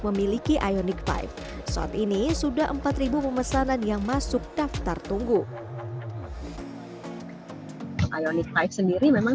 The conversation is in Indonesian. memiliki ionic five saat ini sudah empat ribu pemesanan yang masuk daftar tunggu ionic five sendiri memang